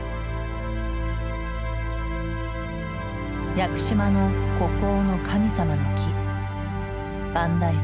屋久島の孤高の神様の木万代杉。